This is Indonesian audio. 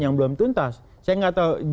yang belum tuntas saya nggak tahu